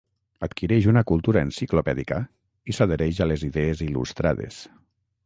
Adquireix una cultura enciclopèdica i s'adhereix a les idees il·lustrades.